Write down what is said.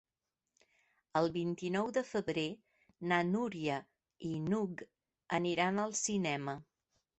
El vint-i-nou de febrer na Núria i n'Hug aniran al cinema.